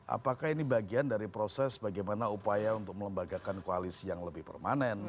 apakah ini bagian dari proses bagaimana upaya untuk melembagakan koalisi yang lebih permanen